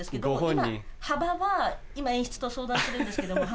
今幅は今演出と相談してるんですけどもはい。